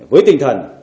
với tinh thần